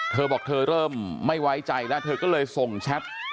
เธอบอกเธอเริ่มไม่ไว้ใจแล้วเธอก็เลยส่งแชท